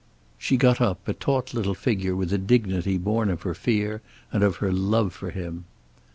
She got up, a taut little figure with a dignity born of her fear and of her love for him.